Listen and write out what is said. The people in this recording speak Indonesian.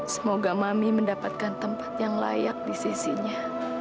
semoga mami mendapatkan tempat yang layak di sisinya